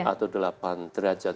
atau delapan derajat